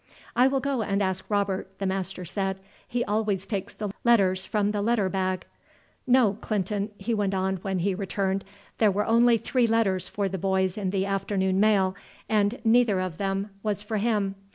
"I will go and ask Robert," the master said; "he always takes the letters from the letter bag." "No, Clinton," he went on when he returned; "there were only three letters for the boys in the afternoon mail, and neither of them was for him.